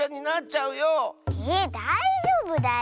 えだいじょうぶだよ。